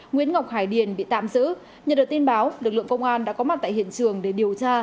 nguyễn ngọc hải điền bị tạm giữ nhận được tin báo lực lượng công an đã có mặt tại hiện trường để điều tra